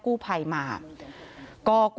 ศพที่สอง